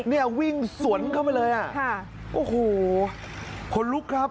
นี่วิ่งสวนเข้าไปเลยอ่ะโอ้โหผลลุกครับ